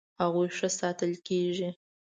هغوی ښه ساتل کیږي.